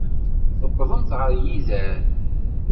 Tewwḍemt ɣer yider.